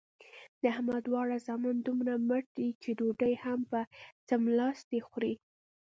د احمد دواړه زامن دومره مټ دي چې ډوډۍ هم په څملاستې خوري.